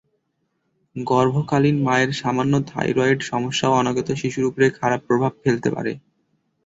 গর্ভকালীন মায়ের সামান্য থাইরয়েড সমস্যাও অনাগত শিশুর ওপর খারাপ প্রভাব ফেলতে পারে।